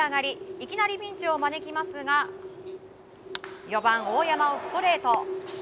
いきなりピンチを招きますが４番、大山をストレート。